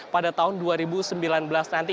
pada tahun dua ribu sembilan belas nanti